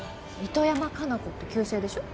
糸山果奈子って旧姓でしょ？